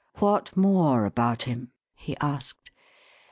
" What more about him ?" he asked.